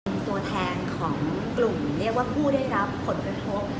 เป็นตัวแทนของกลุ่มเรียกว่าผู้ได้รับผลกระทบ